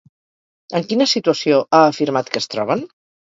En quina situació ha afirmat que es troben?